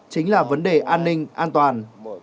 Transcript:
chính là vấn đề an ninh an toàn